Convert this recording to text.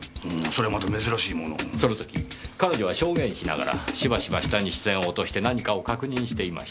その時彼女は証言しながらしばしば下に視線を落として何かを確認していました。